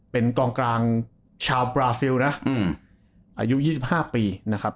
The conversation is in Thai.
เป็นกองกลางชาวบราฟิลอายุ๒๕ปี